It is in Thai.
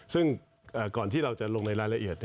ซึ่งก่อนที่เราจะลงในรายละเอียด